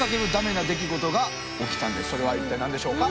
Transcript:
そしてそれは一体何でしょうか？